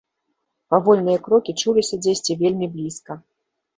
Павольныя крокі чуліся дзесьці вельмі блізка.